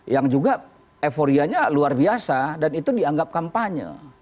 yang juga euforianya luar biasa dan itu dianggap kampanye